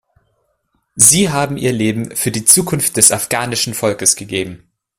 Sie haben ihr Leben für die Zukunft des afghanischen Volkes gegeben.